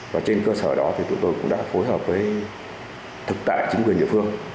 và trên cơ sở đó thì tụi tôi cũng đã phối hợp với thực tại chính quyền địa phương